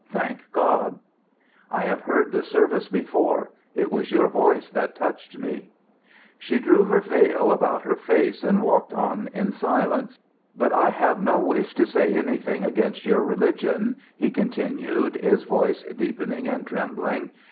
Thank God." "I have heard the service before. It was your voice that touched me." She drew her veil about her face and walked on in silence. "But I have no wish to say anything against your religion," he continued, his voice deepening and trembling.